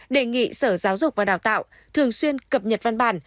đề nghị sở giáo dục và đào tạo thường xuyên cập nhật văn bản